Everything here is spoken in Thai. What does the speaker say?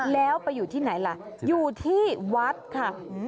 แล้วไปอยู่ที่ไหนล่ะอยู่ที่วัดค่ะ